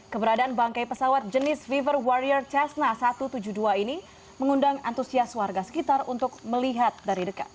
keberadaan bangkai pesawat jenis viver warrior cessna satu ratus tujuh puluh dua ini mengundang antusias warga sekitar untuk melihat dari dekat